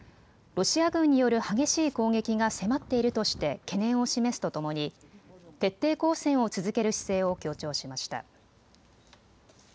ロシア軍による激しい攻撃が迫っているとして懸念を示すとともに徹底抗戦を続ける姿勢を強調しました。